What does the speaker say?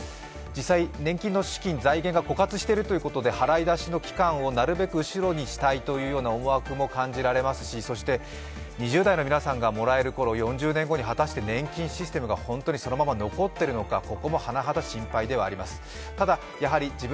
実際、年金の資金、財源が枯渇しているということで払い出しの期間をなるべく後ろにしたいという思惑も感じられますし、そして、２０代の皆さんがもらえるころ、４０年後に果たして年金システムが本当にそのまま残っているのか、